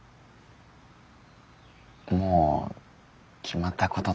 もう決まったことだから。